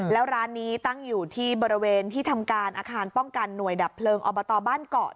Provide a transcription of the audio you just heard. แล้วร้านนี้ตั้งอยู่ที่บริเวณที่ทำการอาคารป้องกันหน่วยดับเพลิงอบตบ้านเกาะ